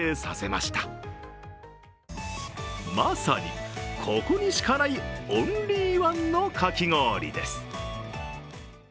まさにここにしかないオンリーワンのかき氷です。